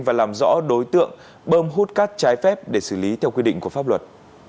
và làm rõ đối tượng bơm hút cát trái phép để xử lý theo quy định của pháp luật